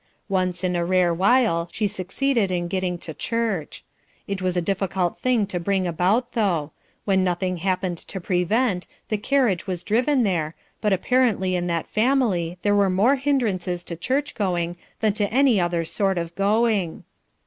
Once in a rare while she succeeded in getting to church. It was a difficult thing to bring about, though; when nothing happened to prevent, the carriage was driven there, but apparently in that family there were more hindrances to church going than to any other sort of going.